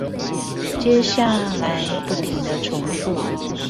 接下來不停的重複